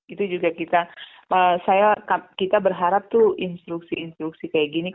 itu juga kita berharap tuh instruksi instruksi kayak gini